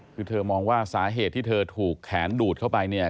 คือเธอมองว่าสาเหตุที่เธอถูกแขนดูดเข้าไปเนี่ย